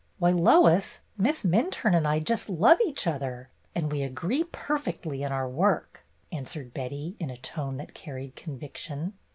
Why, Lois, Miss Minturne and I just love each other, and we agree perfectly in our work," answered Betty, in a tone that carried conviction.